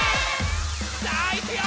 さあいくよ！